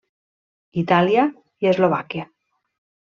Itàlia i Eslovàquia.